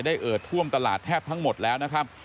เอิดท่วมตลาดแทบทั้งหมดแล้วนะครับ